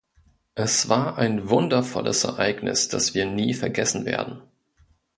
Es war ein wundervolles Ereignis, das wir nie vergessen werden.